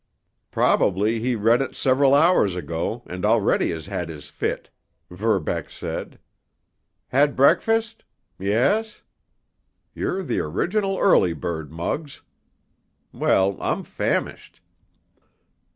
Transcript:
"Probably he read it several hours ago and already has had his fit," Verbeck said. "Had breakfast? Yes? You're the original early bird, Muggs. Well, I'm famished!"